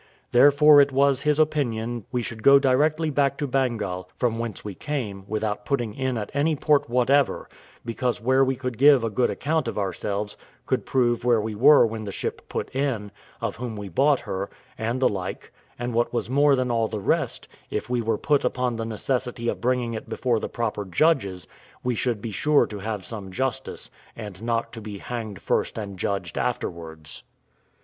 Therefore it was his opinion we should go directly back to Bengal, from whence we came, without putting in at any port whatever because where we could give a good account of ourselves, could prove where we were when the ship put in, of whom we bought her, and the like; and what was more than all the rest, if we were put upon the necessity of bringing it before the proper judges, we should be sure to have some justice, and not to be hanged first and judged afterwards.